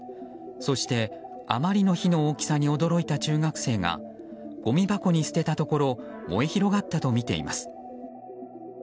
そして、あまりの火の大きさに驚いた中学生がごみ箱に捨てたところ燃え広がったとみています。